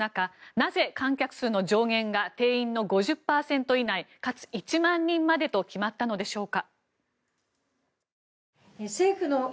なぜ、観客数の上限が定員の５０％以内かつ１万人までと決まったのでしょうか。